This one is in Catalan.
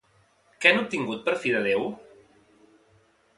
Què han obtingut per fi de Déu?